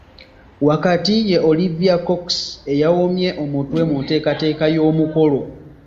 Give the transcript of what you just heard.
Wakati ye Olivia Cox eyawomye omutwe mu nteekateeka y'omukolo.